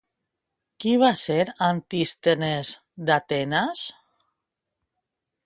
Qui va ser Antístenes d'Atenes?